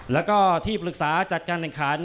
แล้วก็ที่ปรึกษาจัดการแข่งขัน